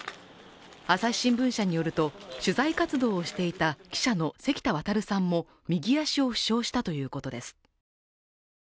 朝日新聞社によると、取材活動をしていた記者の関田航さんも右足を負傷したということです。